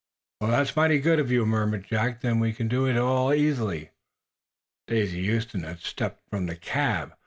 "That's mighty good of you," murmured Jack. "Then we can do it easily." Daisy Huston had stepped from the cab.